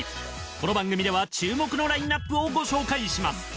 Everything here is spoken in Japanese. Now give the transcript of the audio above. この番組では注目のラインナップをご紹介します。